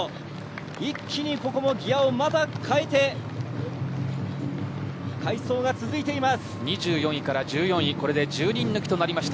一気に、ここもギアを変えて快走が続いてます。